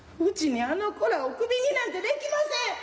うちにあの子らをクビになんてできません！